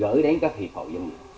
gửi đến các hiệp hội doanh nghiệp